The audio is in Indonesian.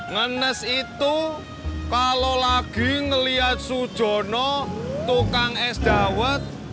ngenes itu kalau lagi ngelihat sujono tukang es dawet